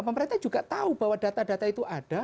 pemerintah juga tahu bahwa data data itu ada